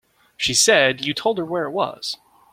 She said you told her where it was.